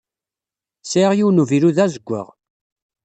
Sɛiɣ yiwen n uvilu d azewwaɣ.